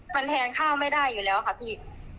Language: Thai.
มันแทนข้าวไม่ได้อยู่แล้วค่ะพี่